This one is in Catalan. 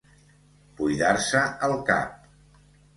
Buidar-se el cap.